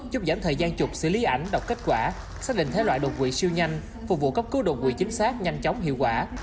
giúp giảm thời gian chụp xử lý ảnh đọc kết quả xác định thế loại đột quỵ siêu nhanh phục vụ cấp cứu đột quỵ chính xác nhanh chóng hiệu quả